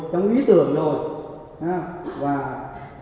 trong ý tưởng rồi